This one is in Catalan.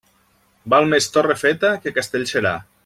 Val més Torrefeta que Castellserà.